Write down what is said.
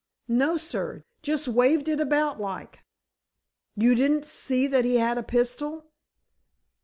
"No, sir. Just waved it about like." "You didn't see that he had a pistol?"